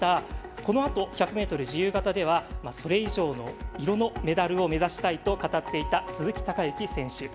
このあと１００ｍ自由形ではそれ以上の色のメダルを目指したいと語っていた鈴木孝幸選手。